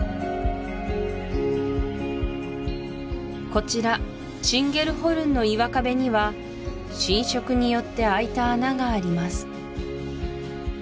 こちらチンゲルホルンの岩壁には浸食によってあいた穴があります